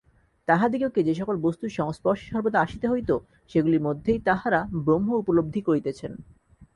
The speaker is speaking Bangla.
তাঁহাদিগকে যে-সকল বস্তুর সংস্পর্শে সর্বদা আসিতে হইত, সেগুলির মধ্যেই তাঁহারা ব্রহ্ম উপলব্ধি করিতেছেন।